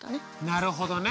なるほどね。